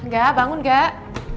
gak bangun gak